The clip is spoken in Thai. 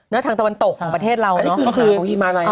แล้วทางตะวันตกของประเทศเราเนอะ